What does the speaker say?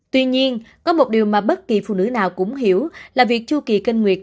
tuy nhiên có một điều mà bất kỳ phụ nữ nào cũng hiểu là việc chu kỳ kinh nguyệt